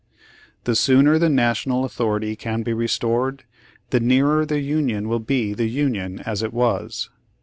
"The sooner the national authority can be restored, the nearer the Union will be the Union as it was.